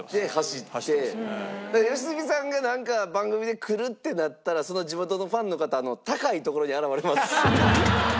だから良純さんがなんか番組で来るってなったらその地元のファンの方高い所に現れます。